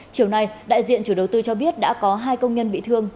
chiều nay đại diện chủ đầu tư cho biết đã có hai công nhân bị thương